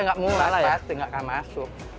enggak mulai pasti enggak akan masuk